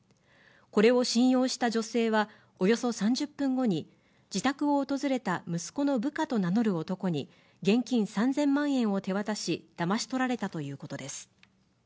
これを信用した女性はおよそ３０分後に自宅を訪れた息子の部下と名乗る男に現金３０００万円を手渡し、だまし取られたということです。